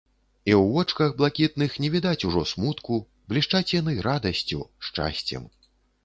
І ў вочках блакітных не відаць ужо смутку, блішчаць яны радасцю, шчасцем.